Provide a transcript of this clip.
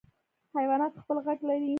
حیوانات خپل غږ لري.